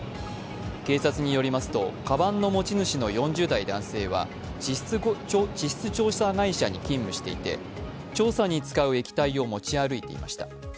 警察によりますと、かばんの持ち主の４０代男性は地質調査会社に勤務しており、調査に使う液体を持ち歩いていました。